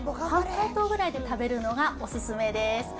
半解凍ぐらいで食べるのがおすすめです。